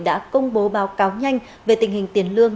đã công bố báo cáo nhanh về tình hình tiền lương